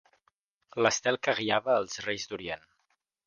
L'estel que guiava els Reis d'Orient.